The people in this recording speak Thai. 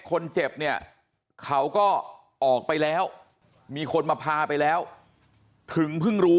คนเจ็บเนี่ยเขาก็ออกไปแล้วมีคนมาพาไปแล้วถึงเพิ่งรู้